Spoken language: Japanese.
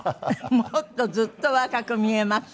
もっとずっと若く見えます。